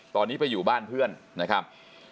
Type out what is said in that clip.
ตอนนี้ไปอยู่บ้านเพื่อนนะครับ